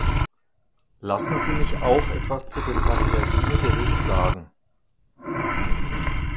Lassen Sie mich auch etwas zu dem Tagliavini-Bericht sagen.